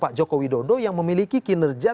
pak joko widodo yang memiliki kinerja